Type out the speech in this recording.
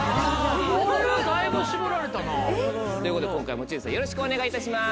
これはだいぶ絞られたな。ということで今回持ち主さんよろしくお願いいたします。